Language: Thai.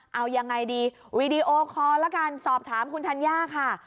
เออเอาอย่างไรดีวีดีโอคอลละกันสอบถามคุณธัญญาค่ะ